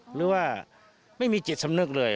หรือว่าไม่มีจิตสำนึกเลย